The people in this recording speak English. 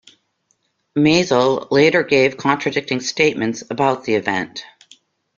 Mazel later gave contradicting statements about the event.